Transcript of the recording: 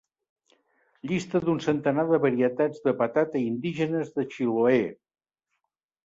Llista d'un centenar de varietats de patata indígenes de Chiloé.